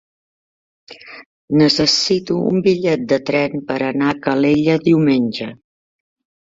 Necessito un bitllet de tren per anar a Calella diumenge.